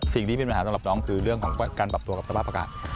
สิ่งที่เป็นปัญหาสำหรับน้องคือเรื่องของการปรับตัวกับสภาพอากาศ